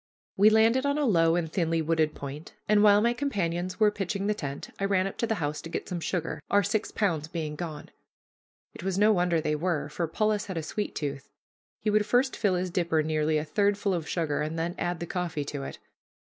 We landed on a low and thinly wooded point, and while my companions were pitching the tent, I ran up to the house to get some sugar, our six pounds being gone. It was no wonder they were, for Polis had a sweet tooth. He would first fill his dipper nearly a third full of sugar, and then add the coffee to it.